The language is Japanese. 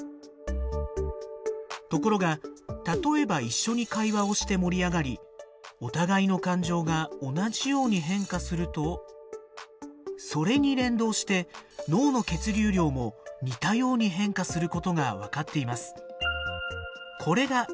ところが例えば一緒に会話をして盛り上がりお互いの感情が同じように変化するとそれに連動して脳の血流量も似たように変化することが分かっています。